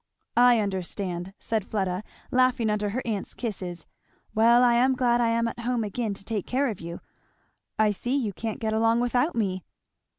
"I understand!" said Fleda laughing under her aunt's kisses. "Well I am glad I am at home again to take care of you. I see you can't get along without me!"